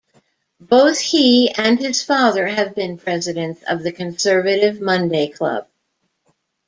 Both he and his father have been presidents of the Conservative Monday Club.